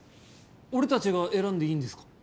俺たちが選んでいいんですか？